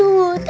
yang salah iya